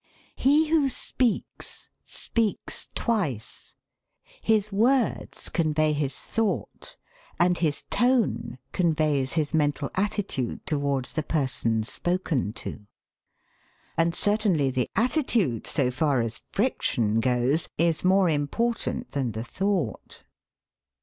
He who speaks, speaks twice. His words convey his thought, and his tone conveys his mental attitude towards the person spoken to. And certainly the attitude, so far as friction goes, is more important than the thought.